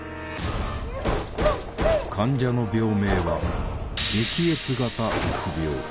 患者の病名は「激越型うつ病」。